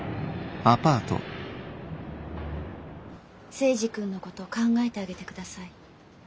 征二君のこと考えてあげてください。